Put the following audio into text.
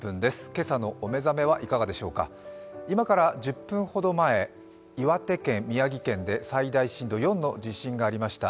今から１０分ほど前、岩手県、宮城県で最大震度４の地震がありました。